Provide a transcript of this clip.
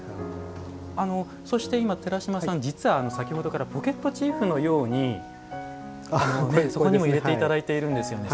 そして、寺島さん実は先ほどからポケットチーフのようにそこにも入れていただいているんですよね。